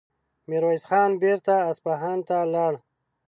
ميرويس خان بېرته اصفهان ته لاړ.